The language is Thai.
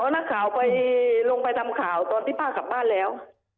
นักข่าวไปลงไปทำข่าวตอนที่ป้ากลับบ้านแล้ว